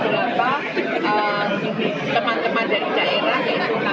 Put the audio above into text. jadi ada penonton dan juga ada yang menikamu asing secara ketinggian dari korea